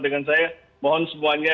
dengan saya mohon semuanya